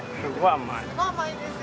甘いです。